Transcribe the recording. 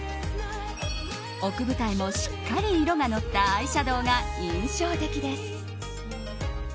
奥二重もしっかり色がのったアイシャドーが印象的です。